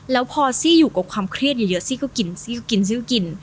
แล้วพอซี่อยู่กับความเครียดเยอะซี่ก็กินซี่ก็กินซิลกิน